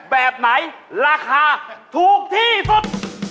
แบบไหนราคาถูกที่สุด